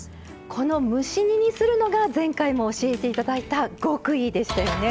この蒸し煮にするのが前回も教えて頂いた極意でしたよね。